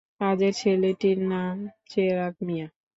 কাজের ছেলেটির নাম চেরাগ মিয়া।